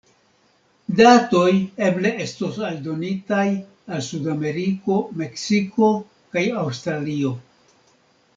Datoj eble estos aldonitaj al Sudameriko, Meksiko kaj Aŭstralio.